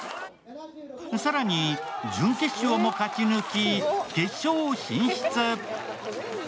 更に準決勝も勝ち抜き決勝進出。